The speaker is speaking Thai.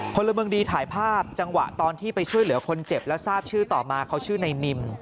พลเมืองดีถ่ายภาพจังหวะตอนที่ไปช่วยเหลือคนเจ็บและทราบชื่อต่อมาเขาชื่อในนิม